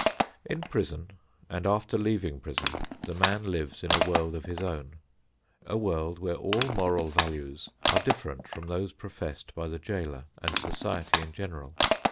In prison and after leaving prison, the man lives in a world of his own; a world where all moral values are different from those professed by the jailer and society in general.